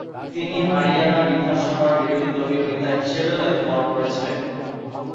তিনি হরিয়ানা বিধানসভার বিরোধীদলীয় নেতা হিসেবেও দায়িত্ব পালন করেছিলেন।